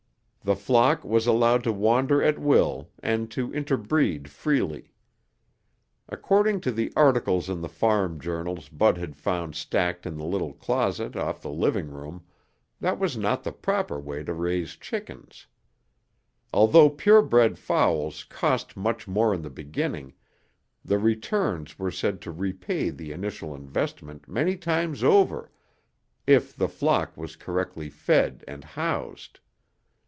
The flock was allowed to wander at will and to interbreed freely. According to the articles in the farm journals Bud had found stacked in the little closet off the living room, that was not the proper way to raise chickens. Although purebred fowls cost much more in the beginning, the returns were said to repay the initial investment many times over if the flock was correctly fed and housed.